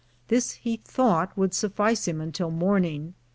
This he thought would suffice him until morning.